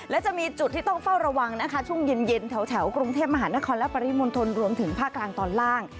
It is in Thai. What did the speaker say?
และจะมีจุดที่ต้องเฝ้าระวังนะคะช่วงเย็นแถวกรุงเทพมหานครและปริมณฑลรวมถึงภาคกลางตอนล่าง